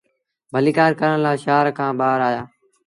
ڀليٚڪآر ڪرڻ لآ شآهر کآݩ ٻآهر آيآ۔